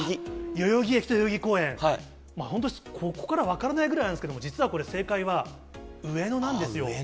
代々木駅と代々木公園、本当に、ここから分からないくらいなんですけれども、実はこれ、正解は上野なんですよ。